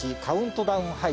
カウントダウン？